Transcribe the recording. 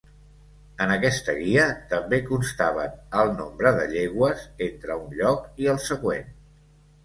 En aquesta guia també constaven el nombre de llegües entre un lloc i el següent.